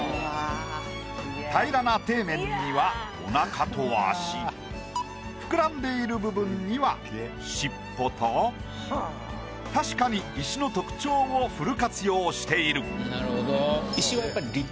平らな底面にはおなかと足膨らんでいる部分には尻尾とたしかに石の特徴をフル活用している。